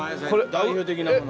代表的なもの。